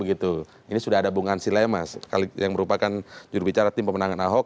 ini sudah ada bung ansi lemas yang merupakan jurubicara tim pemenangan ahok